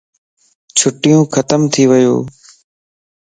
چھٽيون ختم ٿي ويو